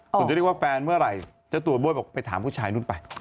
ส่วนจะเรียกว่าแฟนเมื่อไหร่เจ้าตัวบ้วยบอกไปถามผู้ชายนู้นไป